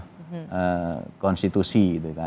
maka itu juga akan menjadi konstitusi